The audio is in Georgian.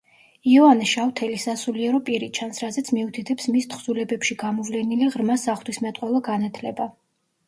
იოანე შავთელი სასულიერო პირი ჩანს, რაზეც მიუთითებს მის თხზულებებში გამოვლენილი ღრმა საღვთისმეტყველო განათლება.